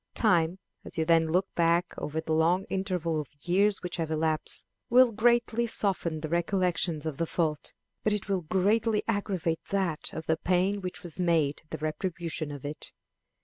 Time, as you then look back over the long interval of years which have elapsed, will greatly soften the recollection of the fault, but it will greatly aggravate that of the pain which was made the retribution of it.